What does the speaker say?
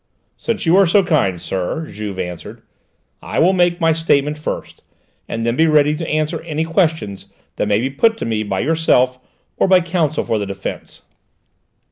"Since you are so kind, sir," Juve answered, "I will make my statement first, and then be ready to answer any questions that may be put to me by yourself, or by counsel for the defence."